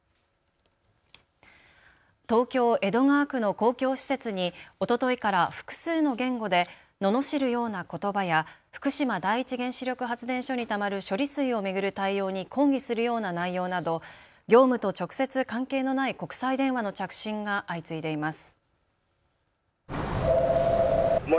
東京江戸川区の公共施設におとといから複数の言語でののしるようなことばや福島第一原子力発電所にたまる処理水を巡る対応に抗議するような内容など業務と直接関係のない国際電話の着信が相次いでいます。